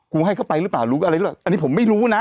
ให้เข้าไปหรือเปล่ารู้อะไรหรือเปล่าอันนี้ผมไม่รู้นะ